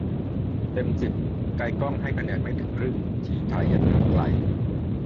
เต็มสิบ "ไกลก้อง" ให้คะแนนไม่ถึงครึ่ง ชี้ไทยยังห่างไกล